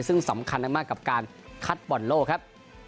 ซึ่งสำคัญมากกับการคัดบอลโลกครับ